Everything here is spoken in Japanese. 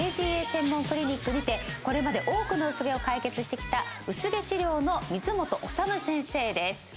ＡＧＡ専門クリニックにてこれまで多くの薄毛を解決してきた薄毛治療の水本理先生です。